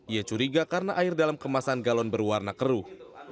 ia curiga karena air dalam kemasan galon berwarna keruh